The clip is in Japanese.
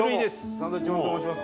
サンドウィッチマンと申します。